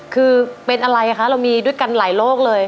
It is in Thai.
คือเป็นอะไรคะเรามีด้วยกันหลายโรคเลย